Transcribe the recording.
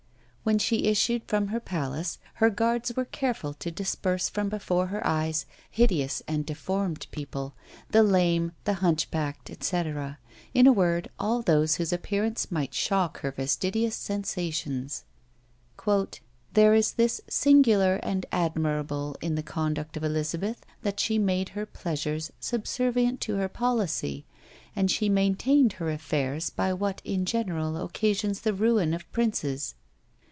When she issued from her palace, her guards were careful to disperse from before her eyes hideous and deformed people, the lame, the hunchbacked, &c. in a word, all those whose appearance might shock her fastidious sensations. "There is this singular and admirable in the conduct of Elizabeth that she made her pleasures subservient to her policy, and she maintained her affairs by what in general occasions the ruin of princes.